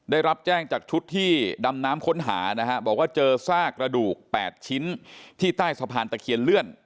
ได้รับแจ้งจากชุดที่ดำน้ำค้นหานะฮะบอกว่าเจอซากระดูก๘ชิ้นที่ใต้สะพานตะเคียนเลื่อน